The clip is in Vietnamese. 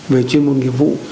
về chuyên môn nghiệp vụ